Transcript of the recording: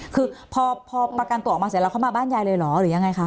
คือพอประกันตัวออกมาเสร็จแล้วเข้ามาบ้านยายเลยเหรอหรือยังไงคะ